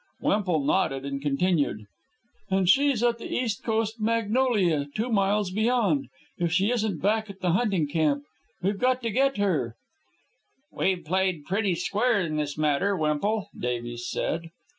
Wemple nodded and continued: "And she's at the East Coast Magnolia, two miles beyond, if she isn't back at the hunting camp. We've got to get her " "We've played pretty square in this matter, Wemple," Davies said.